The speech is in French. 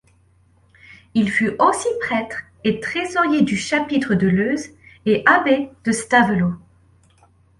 Il fut aussi prêtre et Trésorier du chapitre de Leuze et abbé de Stavelot.